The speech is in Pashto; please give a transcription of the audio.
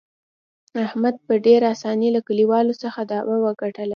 احمد په ډېر اسانۍ له کلیوالو څخه دعوه وګټله.